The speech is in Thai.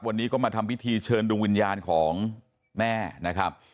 วันนี้ก็มาทำพิธีเชิญดวงวิญญาณของแม่นะครับ